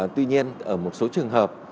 tuy nhiên ở một số trường hợp